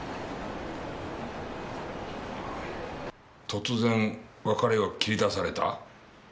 突然別れを切りだされた？